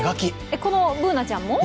このＢｏｏｎａちゃんも？